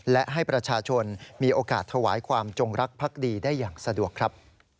และให้ประชาชนมีโอกาสถวายความจงรักพักดีได้อย่างสะดวกครับ